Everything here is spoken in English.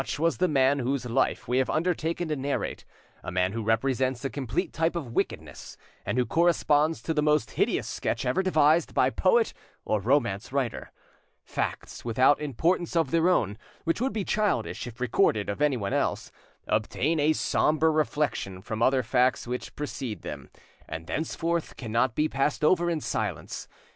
Such was the man whose life we have undertaken to narrate, a man who represents a complete type of wickedness, and who corresponds to the most hideous sketch ever devised by poet or romance writer: Facts without importance of their own, which would be childish if recorded of anyone else, obtain a sombre reflection from other facts which precede them, and thenceforth cannot be passed over in silence.